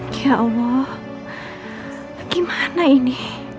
ya allah gimana ini